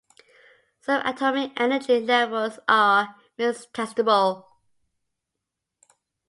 Some atomic energy levels are metastable.